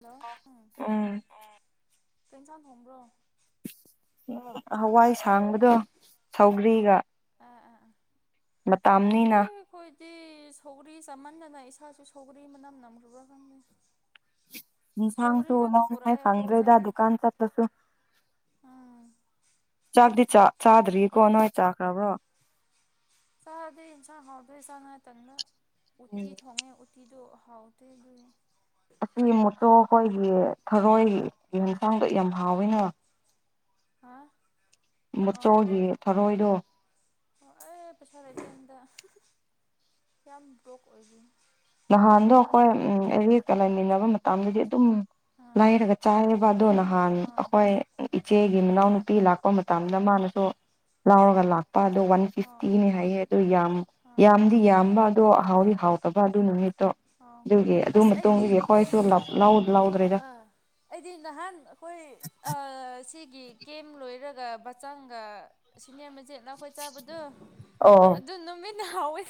[unintelligible] ꯎꯝ ꯀꯩ ꯑꯦꯟꯁꯥꯡ ꯊꯣꯡꯕ꯭ꯔꯣ ꯍꯋꯥꯏ ꯁꯥꯡꯕꯗꯣ ꯁꯧꯒ꯭ꯔꯤꯒ ꯑꯥ ꯑꯥ ꯑꯥ ꯃꯇꯥꯝꯅꯤꯅ ꯑꯩ ꯑꯩꯈꯣꯏꯗꯤ ꯁꯧꯒ꯭ꯔꯤ ꯆꯃꯥꯟꯗꯅ ꯏꯁꯥꯁꯨ ꯁꯧꯒ꯭ꯔꯤ ꯃꯅꯝ ꯅꯝꯈ꯭ꯔꯕꯥ ꯈꯪꯗꯦ [inaudible] ꯁꯧꯒꯔꯤ ꯏꯟꯁꯥꯡꯁꯨ ꯉꯥꯛꯇ ꯂꯧꯅꯤꯉꯥꯏ ꯄꯨꯔꯛꯑꯦ ꯑꯩꯈꯣꯏ ꯐꯪꯗ꯭ꯔꯦꯗ ꯑꯣꯖꯥꯗꯤ ꯗꯨꯀꯥꯟ ꯆꯠꯂꯁꯨ ꯎꯝ ꯆꯥꯛꯇꯤ ꯆꯥ ꯆꯥꯗ꯭ꯔꯤꯀꯣ ꯅꯣꯏ ꯆꯥꯈ꯭ꯔꯕ꯭ꯔꯣ ꯆꯥꯗ꯭ꯔꯤ ꯏꯟꯁꯥꯡ ꯍꯥꯎꯇꯕꯩ ꯆꯥꯅꯤꯉꯥꯏ ꯇꯟꯕ ꯎꯠꯇꯤ ꯊꯣꯡꯉꯦ ꯎꯠ ꯎꯇꯤꯗꯣ ꯍꯥꯎꯇꯦ ꯑꯗꯨꯒꯤ ꯑꯁꯤ ꯃꯨꯠꯇꯣ ꯑꯩꯈꯣꯏꯒꯤ ꯊꯔꯣꯏꯒꯤ ꯌꯦꯟꯁꯥꯡꯗꯣ ꯌꯥꯝ ꯍꯥꯎꯋꯤꯅ ꯍꯥꯥ ꯃꯆꯣꯒꯤ ꯊꯔꯣꯏꯗꯣ ꯑꯣ ꯑꯩ ꯄꯩꯁꯥ ꯂꯩꯇꯦꯗ ꯍꯟꯗꯛ ꯌꯥꯝ ꯕ꯭ꯔꯣꯛ ꯑꯣꯏꯔꯤ ꯅꯍꯥꯟꯗꯣ ꯑꯩꯈꯣꯏ ꯎꯝ ꯑꯦꯔꯤꯒ ꯂꯩꯥꯏꯃꯤꯟꯅꯕ ꯃꯇꯝꯗꯗꯤ ꯑꯗꯨꯝ ꯑꯥ ꯂꯩꯔꯒ ꯆꯥꯏꯑꯦꯕ ꯑꯗꯨ ꯅꯍꯥꯟ ꯑꯥ ꯑꯩꯈꯣꯏ ꯏꯆꯦꯒꯤ ꯃꯅꯥꯎꯅꯨꯄꯤ ꯂꯥꯛꯄ ꯃꯇꯝꯗ ꯃꯥꯅꯁꯨ ꯂꯥꯎꯔꯒ ꯂꯥꯛꯄ ꯑꯗꯨ ꯋꯥꯟ ꯑꯥ ꯑꯥ ꯐꯤꯐꯐꯇꯤꯅꯤ ꯍꯥꯏꯌꯦ ꯑꯗꯣ ꯌꯥꯝ ꯑꯥ ꯌꯥꯝꯗꯤ ꯌꯥꯝꯕ ꯑꯗꯣ ꯍꯥꯎꯗꯤ ꯍꯥꯎꯗꯕ ꯑꯗꯨ ꯅꯨꯃꯤꯠ ꯇꯣ ꯑꯥ ꯑꯗꯨꯒꯤ ꯑꯗꯨ ꯑꯁ ꯑꯩꯗꯤ ꯃꯇꯨꯡꯗꯒꯤ ꯑꯩꯈꯣꯏꯁꯨ ꯂꯧꯥ ꯂꯧꯗ꯭ꯔꯦꯗ ꯑꯥ ꯑꯩꯗꯤ ꯅꯍꯥꯟ ꯑꯩꯈꯣꯏ ꯑ ꯁꯤꯒꯤ ꯀꯦꯝ ꯂꯣꯏꯔꯒ ꯕꯆꯪꯒ ꯁꯤꯅꯤꯌꯔ ꯃꯆꯦꯠꯅ ꯑꯩꯈꯣꯏ ꯆꯥꯕꯗꯣ ꯑꯣ ꯑꯗꯨ ꯅꯨꯃꯤꯠꯅ ꯍꯥꯎꯋꯦ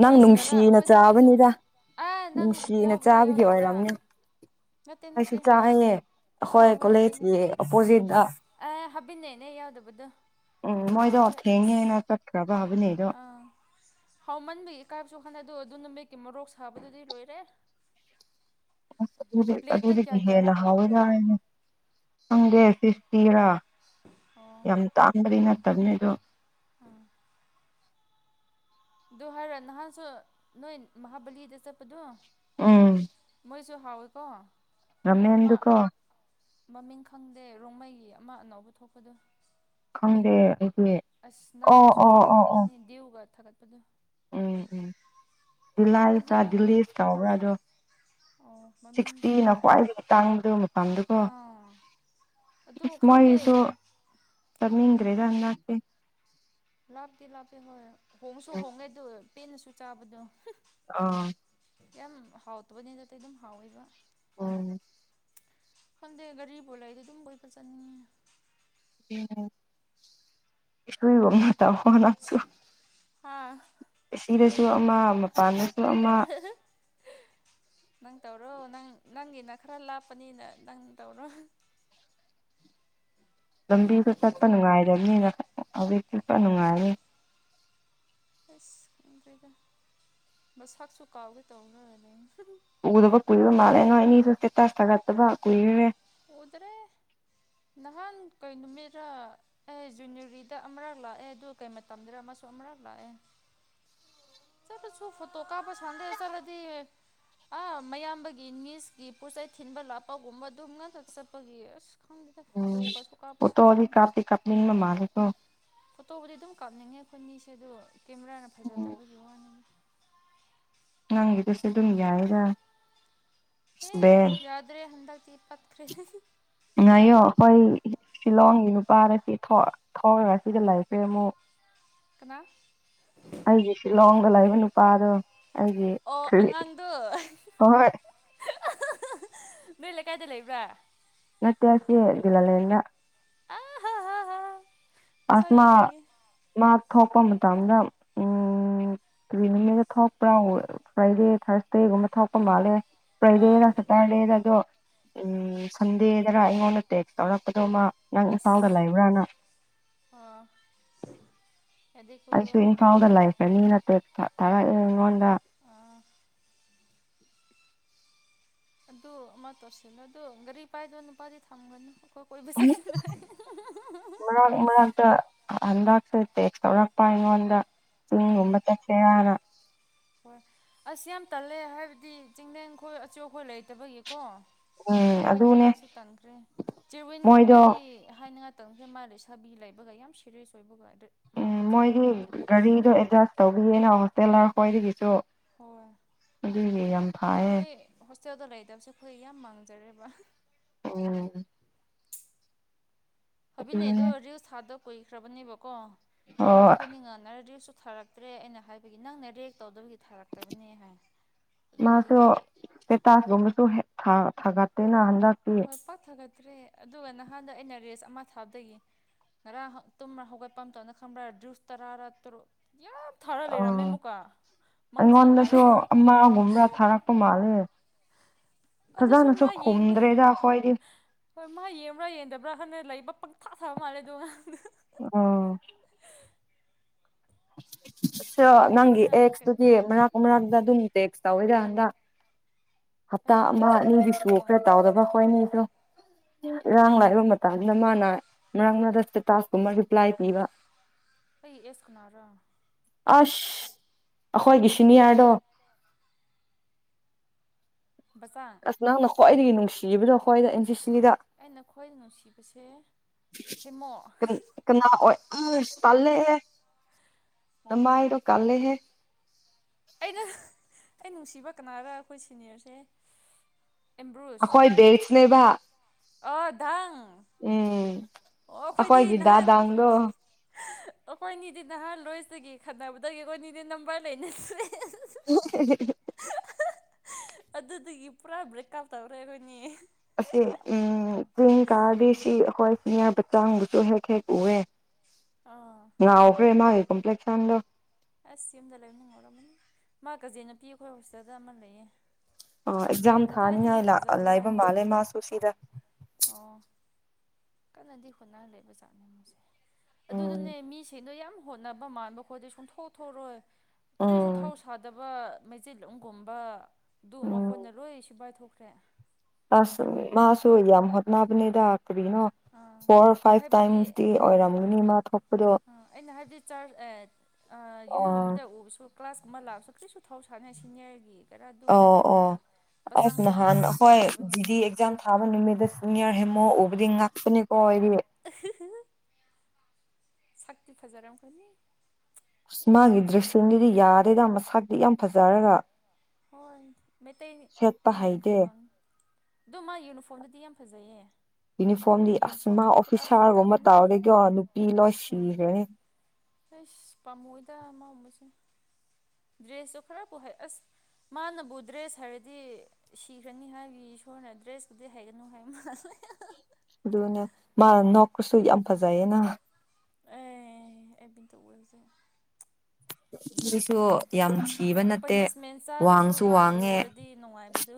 ꯅꯪ ꯂꯣꯏꯁꯤꯒꯔꯥ ꯅꯨꯡꯁꯤꯅ ꯑꯩꯈꯣꯏ ꯆꯥꯕꯗꯣ ꯆꯥꯕꯅꯤꯗ ꯑꯥ ꯅꯪ ꯅꯨꯡꯁꯤꯅ ꯌꯥꯎꯕ꯭ꯔꯥ ꯆꯥꯕꯒꯤ ꯌꯥꯎꯗꯕ꯭ꯔꯥ ꯑꯣꯏꯔꯝꯅꯤ ꯅꯠꯇꯦ ꯑꯩꯁꯨ ꯅꯠꯇꯦ ꯆꯥꯏꯌꯦ ꯍꯣꯏ ꯑꯩꯈꯣꯏ ꯍꯣꯏ ꯑꯩꯈꯣꯏꯅꯦ ꯀꯣꯂꯦꯖꯀꯤ ꯑꯣꯄꯣꯖꯤꯠꯇ ꯍꯥꯕ ꯑꯦ ꯍꯥꯕꯤꯅꯦꯠꯅꯦ ꯌꯥꯎꯗꯕꯗꯣ ꯎꯝ ꯃꯣꯏꯗꯣ ꯀꯥꯎꯈ꯭ꯔꯦ ꯊꯦꯡꯉꯦ ꯍꯥꯏꯅ ꯑꯁ ꯆꯠꯈ꯭ꯔꯕꯥ ꯍꯥꯕꯤꯅꯦ ꯑꯥ ꯍꯥꯎꯃꯟꯕꯒꯤ ꯏꯀꯥꯏꯕꯁꯨ ꯈꯪꯗꯦ ꯑꯗꯣ ꯑꯗꯨ ꯅꯨꯃꯤꯠꯀꯤ ꯃꯣꯔꯣꯛ ꯁꯥꯕꯗꯨꯗꯤ ꯂꯣꯏꯔꯦ ꯑꯁ ꯑꯗꯨꯗꯤ ꯄ꯭ꯂꯦꯠꯇ ꯑꯗꯨꯗꯒꯤ ꯀꯌꯥ ꯀꯌꯥꯔꯥ ꯍꯦꯟꯅ ꯀꯥꯎꯈ꯭ꯔꯦ ꯍꯥꯎꯋꯦꯗ ꯑꯩꯅ ꯈꯪꯗꯦ ꯐꯤꯐꯇꯤꯔꯥ ꯑꯣ ꯌꯥꯝ ꯇꯥꯡꯕꯗꯤ ꯅꯠꯇꯕꯅꯤ ꯑꯗꯨ ꯎꯝ ꯑꯗꯨ ꯍꯥꯏꯔꯣ ꯅꯍꯥꯟꯁꯨ ꯅꯣꯏ ꯃꯍꯥꯕꯂꯤꯗ ꯆꯠꯄꯗꯨ ꯎꯝ ꯃꯣꯏꯁꯨ ꯍꯥꯎꯋꯦꯀꯣ ꯑꯃ ꯔꯥꯃꯦꯟꯗꯨꯀꯣ ꯃꯃꯤꯡ ꯈꯪꯗꯦ ꯔꯣꯡꯃꯩꯒꯤ ꯑꯃ ꯑꯅꯧꯕ ꯊꯣꯛꯄꯗꯨ ꯈꯪꯗꯦ ꯑꯩꯗꯤ ꯑꯁ ꯑꯣ ꯅꯪꯁꯨ ꯑꯣ ꯆꯠꯄꯔ ꯑꯣ ꯑꯣ ꯑꯃꯅꯤ ꯗ꯭ꯌꯨꯒ ꯊꯥꯒꯠꯄꯗꯨ ꯎꯝ ꯎꯝ ꯂꯥꯏ ꯑꯩꯗꯤ ꯆ ꯈꯪꯗꯦ ꯗꯤꯂꯤꯁ ꯆꯥꯎꯕ꯭ꯔ ꯑꯗꯣ ꯑꯣ ꯃꯃꯤꯡꯗꯤ ꯁꯤꯛꯁꯇꯤꯅ ꯈꯪꯕꯅꯤ ꯈ꯭ꯋꯥꯏꯗꯒꯤ ꯇꯥꯡꯕꯗꯣ ꯃꯄꯥꯟꯗꯨꯀꯣ ꯑꯥ ꯑꯗꯨ ꯑꯁ ꯈꯪꯗꯦ ꯃꯣꯏꯁꯨ ꯆꯠꯅꯤꯡꯗ꯭ꯔꯦꯗ ꯍꯟꯗꯛꯇꯤ ꯂꯥꯞꯇꯤ ꯂꯥꯞꯄꯦ ꯍꯣꯏ ꯍꯣꯡꯁꯨ ꯍꯣꯡꯉꯦ ꯑꯗꯨ ꯄꯦꯟꯅꯁꯨ ꯆꯥꯕꯗꯨ ꯑꯣ ꯌꯥꯝ ꯍꯥꯎꯇꯕꯗꯤ ꯅꯠꯇꯦ ꯑꯗꯨꯝ ꯍꯥꯎꯋꯦꯕ ꯎꯝ ꯈꯪꯗꯦ ꯒꯥꯔꯤꯕꯨ ꯂꯩꯔꯗꯤ ꯑꯗꯨꯝ ꯀꯣꯏꯕ ꯆꯠꯅꯤꯡꯉꯦ [unintelligible] ꯃꯇꯝ ꯍꯣꯅ ꯍꯥꯥ ꯑꯁꯤꯗꯁꯨ ꯑꯃ ꯃꯄꯥꯟꯗꯁꯨ ꯑꯃ ꯅꯪ ꯇꯧꯔꯣ ꯅꯪ ꯅꯪꯒꯤꯅ ꯈꯔ ꯂꯥꯞꯄꯅꯤꯅ ꯅꯪ ꯇꯧꯔꯣ ꯂꯝꯕꯤꯗꯨ ꯆꯠꯄ ꯅꯨꯡꯉꯥꯏꯔꯅꯤꯅ ꯍꯧꯖꯤꯛ ꯆꯠꯄ ꯅꯨꯡꯉꯥꯏꯔꯅꯤ ꯑꯁ ꯈꯪꯗ꯭ꯔꯦꯗ ꯃꯁꯛꯁꯨ ꯀꯥꯎꯒꯦ ꯇꯧꯅꯔꯅꯦ ꯎꯗꯕ ꯀꯣꯏꯔꯕ ꯃꯥꯜꯂꯦꯑ ꯅꯣꯏꯅꯤꯖꯨ ꯑꯤꯁꯇꯦ ꯇꯁ ꯊꯒꯠꯇꯌꯕ ꯀꯨꯏꯔꯦ ꯎꯗ꯭ꯔꯦ ꯅꯍꯥꯟ ꯀꯩ ꯅꯨꯃꯤꯠꯔ ꯑꯩ ꯖꯨꯅꯔꯤꯗ ꯑꯃꯔꯛ ꯂꯥꯛꯑꯦ ꯑꯗꯨ ꯀꯩ ꯃꯇꯝꯗ꯭ꯔ ꯑꯃꯁꯨ ꯑꯃꯔꯛ ꯂꯥꯛꯑꯦ ꯆꯠꯂꯁꯨ ꯐꯣ ꯇꯣ ꯀꯥꯞꯄ ꯁꯡꯗꯦ ꯆꯠꯂꯗꯤ ꯑꯥ ꯃꯌꯥꯝꯕꯒꯤ ꯅꯤꯁꯀꯤ ꯄꯣꯠꯆꯩ ꯊꯤꯟꯕ ꯂꯥꯛꯄꯒꯨꯝꯕ ꯑꯗꯨꯝ ꯉꯥꯛꯇ ꯆꯠꯄꯒꯤ ꯑꯁ ꯈꯡꯗꯦꯗ ꯎꯝ ꯐꯣꯇꯣꯀꯥꯁꯨ ꯀꯥꯞꯄ ꯐꯣꯇꯣꯗꯤ ꯁꯡꯗꯦꯗ ꯀꯥꯞꯇꯤ ꯀꯥꯞꯅꯤꯡꯕ ꯃꯥꯜꯂꯦꯀꯣ ꯐꯣꯇꯣꯕꯨꯗꯤ ꯑꯗꯨꯝ ꯀꯥꯞꯅꯤꯡꯉꯦ ꯑꯈꯣꯏꯃꯤꯁꯦ ꯑꯗꯨ ꯀꯦꯃꯦꯔꯥꯅ ꯎꯝ ꯐꯖꯗꯕꯒꯤ ꯋꯥꯅꯤ ꯅꯪꯒꯤ ꯇꯁꯨ ꯑꯗꯨꯝ ꯌꯥꯏꯗ ꯍꯦ ꯕꯦꯟ ꯌꯥꯗ꯭ꯔꯦ ꯍꯟꯗꯛꯇꯤ ꯄꯠꯋ꯭ꯔꯦ ꯉꯥꯏꯌꯣ ꯑꯋꯣꯏ ꯁꯤꯂꯣꯡꯒꯤ ꯅꯨꯄꯥꯅ ꯁꯤ ꯊꯧꯔꯒ ꯁꯤꯗ ꯂꯩꯈ꯭ꯔꯦ ꯃꯨꯛ ꯀꯅꯥ ꯑꯩꯒꯤ ꯁꯤꯜꯂꯣꯡꯗ ꯂꯩꯏꯕ ꯅꯨꯄꯥꯗꯣ ꯑꯩꯒꯤ ꯑꯣ ꯑꯉꯥꯡꯗꯣ ꯍꯣꯏ ꯅꯣꯏ ꯂꯩꯀꯥꯏꯗ ꯂꯩꯕ꯭ꯔꯥ ꯅꯠꯇꯦ ꯑꯁꯤ ꯂꯤꯂꯂꯦꯅ ꯑꯍꯥ ꯍꯥ ꯍꯥ ꯑꯥꯁꯃꯥ ꯃꯥ ꯊꯣꯛꯄ ꯃꯇꯝꯗ ꯎꯝ ꯎꯝ ꯇ꯭ꯔꯤꯃꯤꯅꯩꯗ ꯊꯣꯛꯄ꯭ꯔꯥ ꯄꯔꯥꯏꯕꯦꯠ ꯊꯔ꯭ꯁ ꯀꯩꯒꯨꯝꯕ ꯊꯣꯛꯄ ꯃꯥꯜꯂꯦ ꯑꯥ [unintelligible] ꯎꯝ ꯁꯟꯗꯦꯗꯔ ꯑꯩꯉꯣꯟꯗ ꯇꯦꯛꯁ ꯇꯧꯔꯛꯄꯗꯣ ꯃꯥ ꯅꯪ ꯏꯝꯐꯥꯜꯗ ꯂꯩꯕ꯭ꯔꯥꯅ ꯑꯣ ꯌꯗꯦꯀꯣ ꯐꯥꯎꯗ ꯂꯥꯏꯐꯅꯤ ꯅꯠꯇꯦ ꯊꯥꯏꯔꯛ ꯑ ꯉꯣꯟꯗ ꯑꯥ ꯑꯗꯨ ꯑꯃ ꯇꯧꯁꯤꯅꯨ ꯑꯗꯨ ꯒꯥꯔꯤ ꯄꯥꯏꯗꯣ ꯅꯨꯄꯥꯗꯤ ꯊꯝꯒꯅꯨ ꯑꯩꯈꯣꯏ ꯀꯣꯏꯕ ꯆꯠꯁꯤ ꯃꯔꯛ ꯃꯔꯛꯇ ꯍꯟꯗꯛꯁꯦ ꯇꯦꯛꯁ ꯇꯧꯔꯛꯄ ꯑꯩꯉꯣꯟꯗ [unintelligible] ꯑꯥ ꯎꯝꯃ ꯆꯠꯀꯦꯔꯅ ꯍꯣꯏ ꯑꯁ ꯌꯥꯝ ꯇꯜꯂꯦ ꯍꯥꯏꯕꯗꯤ ꯆꯤꯡꯂꯦꯟꯈꯣꯏ ꯑꯆꯧꯈꯣꯏ ꯂꯩꯇꯕꯒꯤꯀꯣ ꯎꯝ ꯑꯗꯨꯅꯦ ꯀꯣꯏꯅꯤꯡꯉꯥꯏꯁꯨ ꯇꯟꯈ꯭ꯔꯦ ꯃꯣꯏꯗꯣ ꯆꯤꯋꯤꯟꯒꯨꯝꯕꯗꯤ ꯑꯦ ꯍꯥꯏꯅꯤꯡꯉꯥꯏ ꯇꯪꯍꯦ ꯃꯥꯜꯂꯦ ꯁꯥꯕꯤ ꯂꯩꯕꯒ ꯌꯥꯝ ꯁꯦꯔꯤꯌꯁ ꯑꯣꯏꯕꯒ ꯑꯗ ꯎꯝ ꯃꯣꯏꯒꯤ ꯒꯥꯔꯤꯗꯣ ꯑꯦꯗꯖꯁ ꯇꯧꯕꯤꯌꯦꯅ ꯍꯣꯁꯇꯦꯜꯔ ꯍꯣꯏꯗꯒꯤꯁꯨ ꯍꯣꯏ ꯑꯗꯨꯒꯤ ꯌꯥꯝ ꯐꯥꯌꯦ ꯃꯣꯏ ꯍꯣꯁꯇꯦꯜꯗ ꯂꯩꯇꯕꯁꯦ ꯑꯈꯣꯏ ꯌꯥꯝ ꯃꯥꯡꯖꯔꯦꯕ ꯎꯝ ꯐꯕꯤꯅꯩꯗꯣ ꯑꯗꯨꯅꯦ ꯔꯤꯜꯁ ꯊꯥꯗ ꯀꯨꯏꯈ꯭ꯔꯕꯅꯦꯕꯀꯣ ꯅꯍꯥꯟ ꯑꯣ ꯑꯈꯣꯏꯅꯤꯡ ꯉꯟꯅꯔꯗꯤ ꯔꯤꯜꯁꯇꯁꯨ ꯊꯥꯔꯛ ꯇ꯭ꯔꯦ ꯑꯩꯅ ꯍꯥꯏꯕꯒꯤ ꯅꯪꯅ ꯔꯦꯛ ꯇꯧꯗꯕꯒꯤ ꯊꯥꯔꯛꯇꯕꯅꯦ ꯍꯥꯏ ꯃꯥꯁꯨ ꯑꯗꯨꯗꯒꯤ ꯄꯦꯇꯥꯁꯒꯨꯝꯕꯁꯨ ꯊꯥꯒꯠꯇꯦꯅ ꯍꯟꯗꯛꯇꯤ ꯍꯣꯏ ꯄꯥꯛ ꯊꯥꯒꯠꯇ꯭ꯔꯦ ꯑꯗꯨꯒ ꯅꯍꯥꯟꯗ ꯑꯩꯅ ꯔꯦꯁ ꯑꯃ ꯊꯥꯕꯗꯒꯤ ꯉꯔꯡ ꯇꯨꯝ ꯍꯧꯒꯠꯄ ꯑꯝꯇꯅ ꯈꯪꯕ꯭ꯔꯥ ꯖꯨꯁ ꯇꯔꯥꯔꯛ ꯇꯔꯨꯛ ꯌꯥꯝ ꯊꯥꯔ ꯑ ꯂꯩꯔꯝꯃꯦ ꯑꯃꯨꯛꯀ ꯃꯪ ꯊꯤ ꯃꯥꯜꯂꯦ ꯑꯃꯥꯒꯨꯝꯕꯥ ꯊꯥꯔꯛꯄ ꯃꯥꯜꯂꯦ ꯑꯗꯨꯁꯨ ꯐꯖꯅꯁꯨ ꯃꯥ ꯌꯦꯡꯕ꯭ꯔꯥ ꯈꯨꯝꯗ꯭ꯔꯦꯗ ꯑꯩꯈꯣꯏꯗꯤ ꯍꯣꯏ ꯃꯥ ꯌꯦꯡꯕ꯭ꯔꯥ ꯌꯦꯡꯗꯕ꯭ꯔꯥ ꯍꯟꯅꯅ ꯂꯩꯕ ꯄꯪꯊꯥ ꯊꯥꯕ ꯃꯥꯜꯂꯦ ꯗꯨꯏ ꯑꯉꯥꯡ ꯗꯣ ꯑꯥ ꯁꯨ ꯅꯪꯒꯤ ꯌꯥꯝꯅ ꯀꯩꯅꯣ ꯑꯦꯛꯁꯇꯨꯗꯤ ꯇꯧꯈ꯭ꯔꯦ ꯃꯔꯛ ꯃꯔꯅꯥꯛꯇ ꯑꯗꯨꯝ ꯇꯦꯛ꯭ꯁ ꯇꯧꯋꯤꯗꯥ ꯍꯟꯗꯛ ꯍꯞꯇꯥ ꯑꯩꯒꯤ ꯑꯃ ꯑꯦꯁ ꯑꯅꯤꯒꯤ ꯀꯔꯝꯕꯗꯨꯔꯣ ꯁꯨꯈꯔꯦ ꯇꯥꯎꯗꯕ ꯈꯣꯏꯅꯤꯁꯨ ꯏꯔꯥꯡ ꯂꯥꯛꯏꯕ ꯃꯇꯝꯁꯤꯗ ꯃꯥꯅ ꯃꯔꯛ ꯁꯇꯦꯇꯥꯁꯀꯨꯝꯕ ꯔꯤꯄ꯭ꯂꯥꯏ ꯄꯤꯕ ꯑꯩꯩ ꯑꯦꯀ꯭ꯁ ꯀꯅꯥꯔꯥ ꯑꯁ ꯑꯩꯈꯣꯏꯒꯤ ꯁꯤꯅꯤꯌꯥꯔꯗꯣ ꯕꯆꯥ ꯑꯁ ꯅꯪꯅ ꯈ꯭ꯋꯥꯏꯗꯒꯤ ꯅꯨꯡꯁꯤꯕꯗꯣ ꯈ꯭ꯋꯥꯏꯗ ꯑꯦꯟ ꯁꯤ ꯁꯤꯗ ꯑꯩꯅ ꯈ꯭ꯋꯥꯏꯗꯒꯤ ꯅꯨꯡꯁꯤꯕꯁꯦ ꯍꯦꯃꯣ ꯀꯟ- ꯀꯅꯥ ꯑꯣꯏ ꯇꯟꯂꯦ ꯍꯦ ꯅꯃꯥꯏꯗꯣ ꯀꯜꯂꯦꯍꯦ ꯑꯩꯗꯣ ꯑꯩ ꯅꯨꯡꯁꯤꯕ ꯀꯅꯥꯒ ꯑꯩꯈꯣꯏ ꯁꯤꯅꯤꯌꯔꯁꯦ ꯑꯦꯝꯕ꯭ꯔꯨꯁ ꯑꯩꯈꯣꯏ ꯕꯦꯠꯁꯅꯦꯕ ꯑꯣ ꯗꯥꯡ ꯎꯝ ꯑꯣ ꯑꯩꯈꯣꯏꯗꯤ ꯑꯩꯈꯣꯏꯒꯤ ꯅꯍꯥꯟ ꯗꯥꯗꯥꯡꯗꯣ ꯑꯩꯈꯣꯏꯅꯤꯗꯤ ꯅꯍꯥꯟ ꯂꯣꯏꯁꯤꯗꯒꯤ ꯈꯠꯅꯕꯗꯒꯤ ꯑꯩꯈꯣꯏꯅꯤꯗꯤ ꯅꯝꯕꯔ ꯂꯩꯅꯗ꯭ꯔꯦ [unintelligible] ꯑꯗꯨꯗꯒꯤ ꯄꯨꯔꯥ ꯕ꯭ꯔꯦꯛ ꯑꯞ ꯇꯧꯔꯦ ꯑꯩꯈꯣꯏꯅꯦ ꯑꯁꯤ ꯎꯝ ꯆꯤꯡ ꯀꯥꯗꯤ ꯁꯤ ꯑꯩꯈꯣꯏ ꯁꯤꯅꯤꯌꯥꯔ ꯕꯥꯇꯥꯡꯕꯨꯁꯨ ꯍꯦꯛ ꯍꯦꯛ ꯎꯑꯦ ꯑꯥ ꯅꯎꯈ꯭ꯔꯦ ꯃꯥꯥꯏ ꯀꯣꯝꯄ꯭ꯂꯦꯛꯁꯟꯗꫭ ꯑꯁ ꯌꯨꯝꯗ ꯂꯩꯕꯅꯤꯡ ꯉꯧꯔꯝꯃꯅꯤ ꯃꯥ ꯀꯖꯦꯟ ꯅꯨꯄꯤ ꯑꯩꯈꯣꯏ ꯍꯣꯁꯇꯥꯜꯗ ꯑꯃ ꯂꯩꯌꯦ ꯑ ꯑꯦꯛꯖꯥꯝ ꯊꯥꯅꯤꯉꯥꯏ ꯀꯗꯥꯏꯗꯒꯤ ꯐꯖꯕ꯭ꯔꯥ ꯂꯥꯏꯕ ꯍꯥꯏ ꯃꯥꯜꯂꯦ ꯃꯥꯁꯨ ꯁꯤꯗ ꯑꯣ ꯀꯟꯅꯗꯤ ꯍꯣꯠꯅ ꯂꯩꯕꯖꯥꯠꯅꯦ ꯃꯣꯏꯁꯦ ꯎꯝ ꯑꯗꯨꯗꯅꯦ ꯃꯤꯁꯤꯡꯗꯣ ꯌꯥꯝ ꯍꯣꯠꯅꯕ ꯃꯥꯟꯕ ꯈꯣꯏꯗ ꯁꯨꯡꯊꯣꯛ ꯊꯣꯛꯔꯣꯏ ꯀꯔꯤꯁꯨ ꯎꯝ ꯊꯧꯁꯥꯗꯕ ꯃꯩꯆ‌ꯦꯂꫭꯝꯒꯨꯝꯕ ꯑꯗꯨ ꯎꯝ ꯃꯈꯣꯟꯅ ꯂꯣꯏ ꯁꯤꯐꯥꯏ ꯊꯣꯛꯈ꯭ꯔꯦ ꯑꯁ ꯃꯥꯁꯨ ꯌꯥꯝ ꯍꯣꯠꯅꯕꯅꯤꯗꯥ ꯀꫪꯤꯅꯣ ꯑꯥ ꯐꯣꯔ ꯐꯥꯏ꯭ꯚ ꯇꯥꯏꯝ ꯍꯥꯏꯕꯗꯤ ꯑꯣꯔꯃꯅꯤ ꯃꯥ ꯊꯣꯛꯄꯗꯣ ꯑ ꯑꯩꯅ ꯍꯥꯏꯗꯤ ꯆꯔꯑ꯭ꯁ ꯑꯦ ꯑ ꯌꯨꯝꯒꯨꯝꯕꯗ ꯎꯕꯁꯨ ꯀ꯭ꯂꯥꯁ ꯑꯃ ꯂꯥꯛꯑꯁꯨ ꯀꯔꯤꯁꯨ ꯊꯧ ꯁꯥꯟꯅꯩ ꯁꯤꯅꯔꯒꯤ ꯍ‌ꯦꯔꯥ ꯑꯗꯨꯒꯨꯝꯕ‌ꯩ ꯑꯣ ꯑꯣ ꯑꫭꯏꫪꫭꯏꯗ ꯑꯁ ꯕꯆꯥꯡꯈꯣꯏꯗꯤ ꯌꯥꯝ ꯅꯍꯥꯟ ꯑꯦꯛꯇꯤꯞ ꯑꯩꯈꯣꯏ ꯑꯣꯏꯕꯅꯦꯕ ꯖꯤꯗꯤ ꯑꯦꯛꯖꯥꯝ ꯊꯥꯕ ꯅꯨꯃꯤꯠꯇ ꯁꯨꯅꯤꯌꯥꯔ ꯍꯦꯃꯣ ꯎꯕꯗꯤ ꯉꯥꯛꯄꯅꯤꯀꯣ ꯑꯩꯗꯤ [unintelligible] ꯁꯥꯛꯇꯤ ꯐꯖꯔꯝꯈꯅꯤ ꯑꯁ ꯃꯥꯒꯤ ꯗ꯭ꯔꯦꯁꯁꯤꯡꯗꯨꯗꯤ ꯌꯥꯗꯦꯗ ꯃꯁꯥꯛꯛꯇꯤ ꯌꯥꯝ ꯐꯖꯔꯒ ꯍꯣꯏ ꯁꯦꯠꯄ ꯃꯩꯇꯩꯁꯤꯡꯅ ꯍꯩꯇꯦ ꯀꫪꯤ ꯇꯧꯅꯤ ꯑꯗꯣ ꯃꯥ ꯌꯨꯅꯤꯐꯣꯔꯝꯗꯨꯗꯤ ꯌꯥꯝ ꯐꯖꯩꯌꯦ ꯌꯨꯅꯤꯐꯣꯔꯝꯗꯤ ꯑꯁ ꯃꯥ ꯌꯨꯅꯤꯐꯣꯔꯝꯗꯤ ꯄꯨꯔꯥ ꯐꯤꯠ ꯑꯣꯐꯤꯁꯥꯔꯒꯨꯝꯕ ꯇꯥꯕꯅꯦ ꯇꯧꯔꯗꯤꯀꫭ ꯅꯨꯄꯤ ꯂꯣꯏ ꯍꯣꯏ ꯁꯤꯈ꯭ꯔꯅꯤ ꯑꯩꯁ ꯄꯥꯝꯃꯨꯗ ꯃꯒꯨꯝꯕꯁꯦ ꯗ꯭ꯔꯦꯁꯇꯣ ꯈꯔꯄꯨ ꯍ‌ꯦꯛ ꯑꯁ ꯃꯥꯅꯕꯨ ꯗ꯭ꯔꯦꯁ ꯍꯩꯔꯗꯤ ꯁꯤꯈ꯭ꯔꯅꯤ ꯍꯥꯏꯕꯒꯤ ꯏꯁꯣꯔꯅ ꯗ꯭ꯔꯦꯁꯄꯨꯗꯤ ꯍꯩꯒꯅꯨ ꯍꯥꯏ ꯃꯥꯟꯂꯦ ꯑꯗꯨꯅ‌ꯦ ꯃꯥꯅ ꯅꯣꯛꯄꯁꯨ ꯌꯥꯝ ꯐꯖꯩꯌꯦꯅ ꯑꯦ ꯑꯩ ꯃꯤꯇꯥ ꯎꯕꯥꯁꯦ ꯁꯤꯁꯨ ꯌꯥꯝ ꯊꯤꯕ ꯅꯠꯇꯦ ꯄꯅꯤꯁꯃꯦꯟ ꯆꯥꯔꯁꯨ ꯋꯥꯡꯁꯨ ꯃꯥ ꯋꯥꯡꯉꯦ ꯎꯔꯗꯤ ꯅꯨꯡꯉꯥꯏꯕꯗꯨ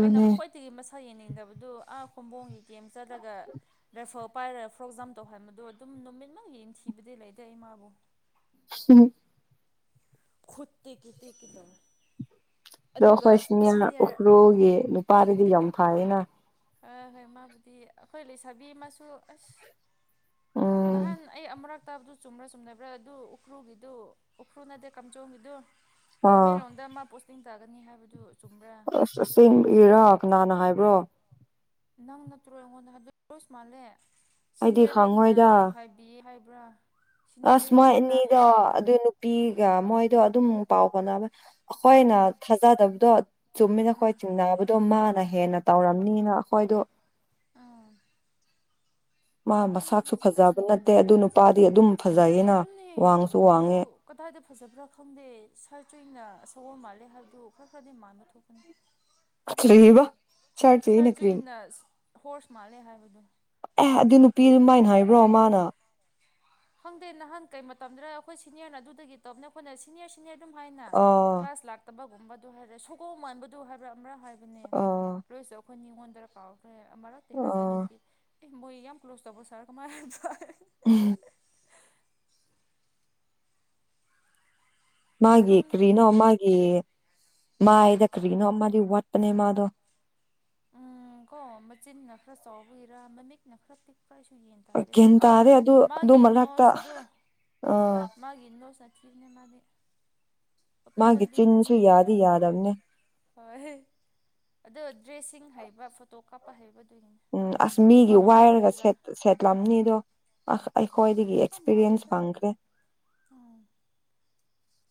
ꯑꯩꯅ ꯈ꯭ꯋꯥꯏꯗꯒꯤ ꯃꯁꯛ ꯌꯦꯡꯅꯤꯡꯗꯕꯗꯨ ꯑꯥ ꯈꯣꯝꯕꯣꯡꯒꯤ ꯀꯦꯝ ꯆꯠꯂꯒ ꯔꯥꯏꯐꯜ ꯄꯥꯏꯔꯒ ꯐꯣꯔꯛ ꯖꯝ ꯇꯧꯍꯟꯕꯗꯨ ꯑꯗꯨꯝ ꯅꯨꯃꯤꯠꯃꯛ ꯌ‌ꯦꯡꯊꯤꯕꯗꯤ ꯂꯩꯇ‌ꯦ ꯑꯩ ꯃꯥꯕꯨ [unintelligible] ꯈꯨꯨꯠ ꯇꯦꯛꯀ‌ꯦ ꯇꯦꯛꯀ‌ꯦ ꯇꯧꯔꯦ ꯑꯗꯣ ꯑꯩꯈꯣꯏ [unintelligible] ꯎꯈ꯭ꯔꯨꯜꯒꯤ ꯅꯨꯄꯥꯗꯨꯗꯤ ꯌꯥꯝ ꯐꯔꯦꯅꯥ ꯍꯣꯏ ꯍꯣꯏ ꯃꯥꯕꯨꯗꯤ ꯑꯩꯈꯣꯏ ꯂꯩꯁꯥꯕꯤ ꯑꯃꯁꯨ ꯑꯁ ꯎꯝ ꯅꯍꯥꯟ ꯑꯩ ꯑꯃꯔꯛ ꯇꯥꯕꯗꯨ ꯆꯨꯝꯕ꯭ꯔꯥ ꯆꯨꯝꯗꯕ꯭ꯔꯥ ꯑꯗꯨ ꯎꯈ‍꯭ꯔꯨꯜꯒꯤꯗꯨ ꯎꯈ꯭ꯔꯨꯜ ꯅꯠꯇꯦ ꯀꯥꯝꯖꯣꯡꯒꯤꯗꯨ ꯑꯥ ꯇꯃꯦꯡꯂꯣꯡꯗ ꯃꯥ ꯄꯣꯁꯇꯤꯡ ꯇꯥꯒꯅꯤ ꯍꯥꯏꯕꯗꯨ ꯆꯨꯝꯕ꯭ꯔꯥ ꯑꯁ ꯑꯁ‌ꯦꯡꯕꯩꯔꯥ ꯀꯅꯥꯅ ꯍꯥꯏꯕ꯭ꯔꯣ ꯅꯪ ꯅꯠꯇ꯭ꯔꯣ ꯑꯩꯉꯣꯟꯗꯣ ꯍꯧꯖꯤꯛ [unintelligible] ꯃꯥꯜꯂꯦ ꯑꯩꯗꯤ ꯁꯤꯅꯤꯌꯥꯔꯤꯡꯅ ꯈꯪꯉꯣꯏꯗ ꯍꯥꯏ ꯄꯤꯌꯦ ꯍꯥꯏꯕ꯭ꯔꯥ ꯑꯁ ꯃꯣꯏ ꯁꯤꯅꯤꯌꯔꯔꯤꯡꯗꯒꯤ ꯇꯥꯏ ꯑꯅꯤꯗꯣ ꯍꯥꯏꯔ ꯑꯗꯨ ꯅꯨꯄꯤꯒ ꯃꯣꯏꯗꯣ ꯑꯗꯨꯝ ꯄꯥꯎ ꯐꯥꯎꯅꯕ ꯑꯩꯈꯣꯏꯅ ꯑꯥ ꯊꯥꯖꯗꯕꯗꯣ ꯆꯨꯝꯃꯤꯅ ꯑꯩꯈꯣꯏ ꯎꯝ ꯆꯤꯡꯅꯕ ꯇꫭ ꯃꯥꯅ ꯍꯦꯟꯅ ꯇꯧꯔꯝꯅꯤꯅ ꯑꯩꯈꯣꯏꯗꯨ ꯑꯥ ꯃꯥ ꯈꯪꯗꯦ ꯃꯁꯥꯛꯁꯨ ꯐꯖꯕ ꯍꯧꯖꯤꯛꯀꯥꯟꯒꯤ ꯅꯠꯇꯦ ꯑꯗꯨ ꯅꯨꯄꯤꯁꯤꯡꯖꯦ ꯅꯨꯄꯥꯗꯤ ꯑꯗꯨꯝ ꯐꯖꯩꯌꯦꯅ ꯑꯗꯨꯅꯦ ꯋꯥꯡꯁꯨ ꯑꯗꯨ ꯋꯥꯡꯉꯦ ꯀꯗꯥꯏꯗ ꯐꯖꯕ꯭ꯔꯥ ꯈꯪꯗꯦ ꯁꯥꯔ ꯆꯨꯏꯅ ꯁꯥꯑꫭꯝ ꯃꯥꯜꯂꯦ ꯍꯥꯏꯕꯗꯨ ꯈꯔ ꯈꯔꯗꯤ ꯃꯥꯟꯕ ꯊꯣꯛꯄꯅꯤ ꯀꯔꯤꯕ ꯁꯥꯔ ꯁꯥꯔꯆꯤꯅ ꯀ꯭ꯔꯤꯝ ꯆꯨꯏꯅ ꯍꯣꯔꯁ ꯃꯥꯜꯂꯦ ꯍꯥꯏꯕꯗꯨ ꯑꯦ ꯑꯗꯨ ꯅꯨꯄꯤ ꯃꯥꯏꯅ‌ꯦ ꯍꯥꯏꯕ꯭ꯔꯣ ꯃꯥꯅ ꯈꯪꯗꯦ ꯅꯍꯥꯟ ꯀꯩ ꯃꯇꯝꯗꯔꯥ ꯑꯩꯈꯣꯏ ꯁꯤꯅꯤꯌꯔꯅ ꯑꯗꯨꯗꯒꯤ ꯇꯧꯕꯅꯦ ꯑꯩꯈꯣꯏꯅ ꯁꯤꯅꯤꯌꯔ ꯁꯤꯅꯤꯌꯔ ꯑꯗꯨꯝ ꯍꯥꯏꯅ ꯑꯥ ꯀ꯭ꯂꯥꯁ ꯂꯥꯛꯇꯕꯒꯨꯝꯕꯗꯨ [unintelligible] ꯃꯥꯟꯕꯗꯨ ꯍꯥꯏꯕ꯭ꯔꯥ ꯑꯃꯨꯔꯛ ꯍꯥꯏꯕ ꯑꯗꯨꯅꯦ ꯑꯥ ꯂꯣꯏꯁꯨ ꯑꯩꯈꯣꯏ ꯅꯤꯉꯣꯟꯗꯔꯥ ꯀꯥꯎꯈ꯭ꯔꯦ ꯑꯃꯔꯛꯇꯤ ꯍꯥꯏꯕꯅꯦ ꯑꯥ ꯑꯗꯨꯗꯤ ꯑꯦ ꯃꯣꯏ ꯌꯥꯝ ꯀ꯭ꯂꯣꯖ ꯇꯧꯕ ꯁꯥꯔ ꯀꯃꯥꯏ ꯍꯥꯏꯇꯥꯔꯦ [unintelligible] ꯃꯥꯒꯤ ꯈꯪꯗꯦꯗ ꯀꯔꯤꯅꯣ ꯃꯥꯒꯤ ꯃꯥꯏꯗ ꯀꯔꯤꯅꯣ ꯑꯃꯗꯤ ꯋꯥꯠꯄꯅꯦ ꯃꯥꯗꯣ ꯎꯝ ꯀꯣ ꯃꯆꯤꯟꯅ ꯈꯔ ꯆꯥꯎꯕꯒꯤꯔꯥ ꯃꯃꯤꯠꯅ ꯈꯔ ꯄꯤꯛꯄ꯭ꯔꯥ ꯑꯩꯁꯨ ꯌꯦꯡ ꯒ꯭ꯌꯥꯟ [unintelligible] ꯑꯣ ꯇꯥꯗꯦ ꯑꯗꯨ ꯑꯗꯨ ꯃꯥꯒꯤ ꯃꯅꯥꯛꯇ ꯅꯣꯁꯗꯨ ꯑꯥ ꯃꯥꯒꯤ ꯅꯣꯁꯅꯥ ꯊꯤꯕꯅꯦ ꯃꯥꯗꯤ ꯃꯥꯒꯤ ꯑꯇꯣꯞꯄꯗꯤ ꯆꯤꯟꯁꯨ ꯃꯤꯒꯤ ꯌꯥꯗꯤ ꯆꯥꯡ ꯌꯥꯗꯕꯅꯦ ꯍꯣꯏ ꯑꯗꯣ ꯗ꯭ꯔꯦꯁꯁꯤꯡ ꯍꯩꯕ ꯐꯣꯇꯣ ꯀꯥꯞꯄ ꯍꯩꯕ ꯑꯗꯨꯒꯤꯅꯤ ꯎꯝ ꯑꯁ ꯃꯤꯒꯤ ꯋꯥ ꯉꯥꯡꯕ ꯋꯥꯏꯔꯒ ꯁꯦꯠ ꯁꯦꯠꯂꯝꯅꯤ ꯑꯗꯣ ꯑ ꯑꯩꯈꯣꯏꯗꯤ [unintelligible] ꯃꯥꯜꯂꯤꯗ ꯎꯝ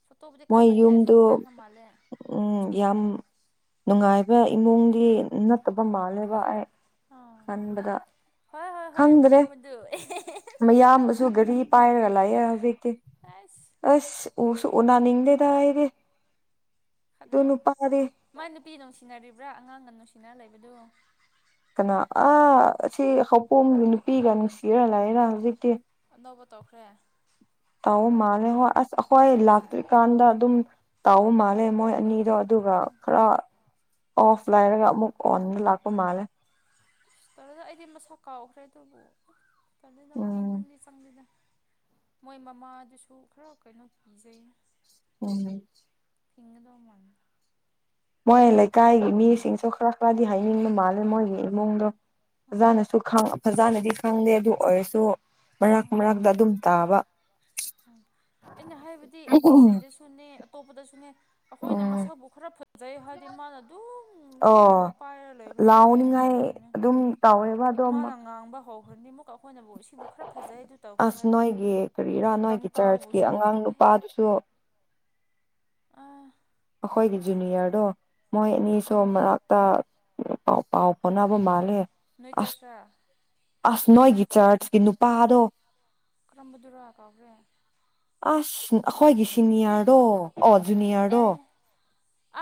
ꯐꯣꯇꯣꯕꯨꯗꯤ ꯃꯣꯏ ꯀꯥꯞꯄ ꯍꯩꯌꯦ ꯑꯥꯏ ꯌꯨꯝꯗꯨ ꯐꯣꯟ ꯄꯥꯏꯕ ꯃꯥꯜꯂꯦ ꯎꯝ ꯌꯥꯝ ꯅꯨꯡꯉꯥꯏꯕ ꯏꯃꯨꯡꯒꯤ ꯅꯠꯇꯕ ꯃꯥꯜꯂꯦꯕ ꯑꯩ ꯑꯥ ꯈꯟꯕꯗ ꯍꯣꯏ ꯍꯣꯏ ꯍꯣꯏ ꯈꯪꯗ꯭ꯔꯦ ꯃꯌꯥꯝꯕꯗꯨ ꯃꯌꯥꯝꯕꯁꯨ ꯒꯥꯔꯤ ꯄꯥꯏꯔꯒ ꯂꯩꯌꯦ ꯍꯧꯖꯤꯛꯇꯤ ꯑꯩꯁ ꯑꯁ ꯎꯁꯨ ꯎꯅꯅꯤꯡꯗꯦꯗ ꯑꯩꯗꯤ ꯑꯗꯨ ꯈꯠꯅꯧ ꯅꯨꯄꯥꯗꯤ ꯃꯥ ꯅꯨꯄꯤ ꯅꯨꯡꯁꯤꯅꯔꯤꯕ꯭ꯔꯥ ꯑꯉꯥꯡꯒ ꯅꯨꯡꯁꯤꯅꯔꯥ ꯂꯩꯕꯗꯨ ꯀꯅꯥ ꯑꯥ ꯁꯤ ꯍꯧꯄꯣꯝꯒꯤ ꯅꯨꯄꯤꯒ ꯅꯨꯡꯁꯤꯔꯥ ꯂꯩꯌꯦꯗꯥ ꯍꯧꯖꯤꯛꯇꯤ ꯑꯅꯧꯕ ꯇꯧꯈ꯭ꯔꯦ ꯇꯧꯕ ꯃꯥꯜꯂꯦ ꯍꯣꯏ ꯑꯁ ꯑꯩꯈꯣꯏ ꯖꯥꯠ ꯖꯥꯠꯅꯤ ꯂꯥꯛꯇ꯭ꯔꯤꯀꯥꯟꯗ ꯑꯗꯨꯝ ꯇꯧꯕ ꯃꯥꯜꯂꯦ ꯃꯣꯏ ꯑꯅꯤꯗꯣ ꯑꯁ ꯑꯗꯨꯒ ꯈꯔ ꯑꯣꯐ ꯂꯩꯔꯒ ꯑꯃꯨꯛ ꯑꯣꯟꯗ ꯂꯥꯛꯄ ꯃꯥꯜꯂꯦ ꯇꯜꯂ‌ꯦ ꯑꯩꯗꯤ ꯃꯁꯛ ꯀꯥꯎꯈ꯭ꯔꯦ ꯑꯗꯨꯕꯨ ꯇꯜꯂ‌ꯦꯗꯥ ꯃꯣꯏ ꯎꯝ ꯏꯃꯨꯡꯗꯤ ꯆꯪꯗ‌ꯦꯗ ꯃꯣꯏ ꯃꯃꯥꯗꯨꯁꯨ ꯈꯔ ꯀꯩꯅꯣ ꯀꯤꯖꯩꯗ ꯎꯝ ꯊꯤꯡꯒꯗꯧ ꯃꯥꯟꯂꯦ ꯃꯣꯏ ꯂꯩꯀꯥꯏꯒꯤ ꯃꯤꯁꯤꯡꯁꯨ ꯈꯔꯥ ꯈꯔꯥꯗꯤ ꯍꯥꯏꯅꯤꯡꯕ ꯃꯥꯜꯂꯦ ꯃꯣꯏꯒꯤ ꯏꯃꯨꯡꯗꯣ ꯎꯝ ꯐꯖꯥꯅꯁꯨ ꯈꯪ ꯐꯖꯥꯅꯗꯤ ꯈꯪꯗꯦ ꯑꯗꯨ ꯑꯣꯏꯔꯁꯨ ꯃꯔꯛ ꯃꯔꯛꯇ ꯑꯗꯨꯝ ꯇꯥꯕ ꯎꯝ ꯑꯩꯅ ꯍꯥꯏꯕꯗꯤ ꯑꯦꯟ ꯁꯤ ꯁꯤꯗꯁꯨꯅꯦ ꯑꯇꯣꯞꯄꯗꯁꯨꯅꯦ ꯑꯩꯈꯣꯏꯅ ꯎꯝ ꯃꯁꯛꯕꯨ ꯈꯔꯥ ꯐꯖꯩ ꯍꯥꯏꯔꯗꯤ ꯃꯥꯅ ꯑꯗꯨꯝ ꯑꯣ ꯂꯣꯏꯅꯕꯨ ꯄꯥꯏꯔ ꯂꯩꯈ꯭ꯔꯥ ꯑꯗꯨ ꯌꯦꯡꯅꯤꯡꯗꯕꯅꯦ ꯇꯧꯋꯦ ꯃꯥꯅ ꯉꯥꯡꯕ ꯍꯧꯈ꯭ꯔꯗꯤ ꯑꯃꯨꯛꯀꯥ ꯑꯩꯈꯣꯏꯅꯕꯨ ꯁꯤꯕꯨ ꯈꯔ ꯐꯖꯩ ꯑꯗꯨ ꯇꯧꯈ꯭ꯔꯦ ꯑꯁ ꯍꯥꯏꯗꯤ ꯅꯣꯏꯒꯤ ꯀꯔꯤꯔꯥ ꯅꯣꯏꯒꯤ ꯆꯔꯆꯀꯤ ꯗꯪꯇꯥꯎꯕꯨꯁꯨ ꯑꯉꯥꯡ ꯑꯩ ꯅꯨꯄꯥꯗꯨꯁꯨ ꯑꯥ ꯑꯩꯈꯣꯏꯒꯤ ꯖꯨꯅꯤꯌꯔꯗꯣ ꯃꯣꯏ ꯑꯅꯤꯁꯨ ꯑꯥ ꯃꯔꯛ ꯊꯥ ꯥꯄꯥꯎ ꯄꯥꯎ ꯐꯥꯎꯅꯕ ꯃꯥꯜꯂꯦ ꯅꯣꯏ ꯑꯁ ꯆꯔꯁꯔꯥ ꯑꯁ ꯅꯣꯏꯒꯤ ꯆꯔꯆꯀꯤ ꯅꯨꯄꯥꯗꯣ ꯀꯔꯝꯕꯗꯨꯔꯥ ꯀꯥꯎꯒ꯭ꯔꯦ ꯑꯁ ꯑꯩꯈꯣꯏꯒꯤ ꯁꯤꯅꯤꯌꯔꯗꯣ ꯑꯣ ꯖꯨꯅꯤꯌꯔꯗꯣ ꯑꯦ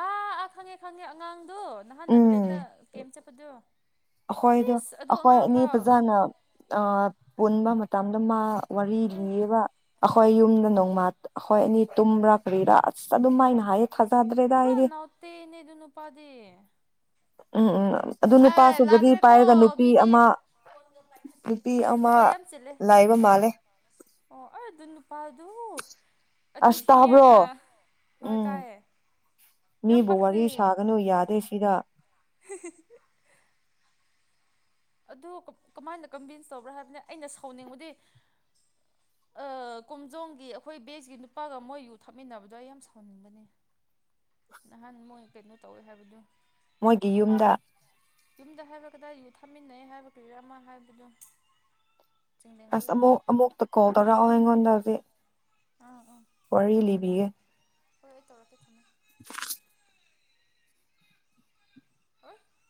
ꯑꯥ ꯑꯥ ꯈꯪꯉꯦ ꯈꯪꯉꯦ ꯑꯉꯥꯡꯗꯣ ꯅꯍꯥꯟ ꯅꯥꯒꯥꯂꯦꯟꯗ ꯀꯦꯝ ꯆꯠꯄꯗꯨ ꯑꯩꯈꯣꯏꯗꫭ ꯑꯩꯈꯣꯏ ꯑꯅꯤ ꯐꯖꯥꯅ ꯑꯥ ꯄꯨꯟꯕ ꯃꯇꯝꯗ ꯃꯥ ꯋꯥꯔꯤ ꯑꯦ ꯂꯤꯌꯦꯕ ꯑꯩꯈꯣꯏ ꯌꯨꯝꯗ ꯅꯣꯡꯃꯥ ꯑꯩꯈꯣꯏ ꯑꯅꯤ ꯇꯨꯝꯕ꯭ꯔꯥ ꯀꯔꯤꯔꯥ ꯑꯁ ꯑꯗꯨꯝ ꯃꯥꯏꯅ ꯍꯥꯏꯌꯦ ꯐꯖꯗ꯭ꯔꯦ ꯄꯨꯔꯥ ꯅꯥꯎꯇꯤꯅꯤ ꯑꯗꯨ ꯅꯨꯄꯥꯗꯤ ꯎꯝ ꯎꯝ ꯑꯗꯨ ꯑꯦ ꯅꯨꯄꯥꯁꯨ ꯒꯔꯤ ꯂꯥꯛꯈ꯭ꯔꯦꯀꯣ ꯄꯥꯏꯔꯒ ꯅꯨꯄꯤ ꯃꯤꯗꯤ ꯑꯃꯥ ꯅꯨꯄꯤ ꯑꯃꯥ ꯊꯕꯛ ꯌꯥꯝ ꯆꯤꯜꯂꯦ ꯂꯩꯕ ꯃꯥꯜꯂꯦ ꯑꯣ ꯑꯩ ꯑꯗꯨ ꯅꯨꯄꯥꯗꯨ ꯑꯗꯨ ꯑꯁ ꯇꯥꯕ꯭ꯔꯣ ꯁꯤꯅꯤꯌꯔꯥ ꯍꯣꯏ ꯎꯝ ꯇꯥꯏꯌꯦ ꯌꯥꯝ ꯃꯤꯕꯨ ꯄꯛꯇꯦ ꯋꯥꯔꯤ ꯁꯥꯒꯅꯨ ꯌꯥꯗꯦ ꯁꯤꯗ [unintelligible] ꯑꯗꯨ ꯀꯃꯥꯏꯅ ꯀꯟꯚꯤꯟꯁ ꯇꯧꯕ꯭ꯔꯥ ꯍꯥꯏꯕꯅꯦ ꯑꯩꯅ ꯁꯥꯎꯅꯤꯡꯕꯗꯤ ꯑꯥ ꯀꯣꯝꯖꯣꯝꯒꯤ ꯑꯩꯈꯣꯏ ꯕꯦꯁꯀꯤ ꯅꯨꯄꯥꯒ ꯃꯣꯏ ꯌꯨ ꯊꯛꯃꯤꯟꯅꯕꯗꯣ ꯑꯩ ꯌꯥꯝ ꯁꯥꯎꯍꯟꯅꯤꯡꯕꯅꯤ ꯅꯍꯥꯟ ꯃꯣꯏ ꯀꯩꯅꯣ ꯇꯧꯋꯦ ꯍꯥꯏꯕꯗꯨ ꯃꯣꯏꯒꯤ ꯌꯨꯝꯗ ꯌꯨꯝꯗ ꯍꯥꯏꯕ꯭ꯔꯥ ꯀꯗꯥꯏ ꯌꯨ ꯊꯛꯃꯤꯟꯅꯩ ꯍꯥꯏꯕ꯭ꯔꯥ ꯀꯔꯤꯔꯥ ꯑꯃꯥ ꯍꯥꯏꯕꯗꫭ ꯑꯁ ꯑꯃꯨꯛ ꯑꯃꯨꯛꯇ ꯀꯣꯜ ꯇꯧꯔꯛꯑꯣ ꯑꯩꯉꯣꯟꯗ ꯍꯧꯖꯤꯛ ꯑꯥ ꯑꯥ ꯋꯥꯔꯤ ꯂꯤꯕꯤꯒꯦ ꯍꯣꯏ ꯑꯩ ꯇꯧꯔꯀꯦ ꯊꯝꯃꯣ [inaudible] ꯍꯥ [unintelligible]